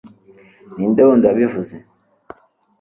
ninde wundi wabivuze